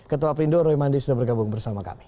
ketua perindo roy mandi sudah bergabung bersama kami